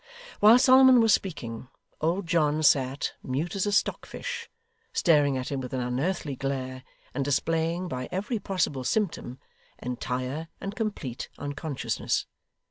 While Solomon was speaking, old John sat, mute as a stock fish, staring at him with an unearthly glare, and displaying, by every possible symptom, entire and complete unconsciousness.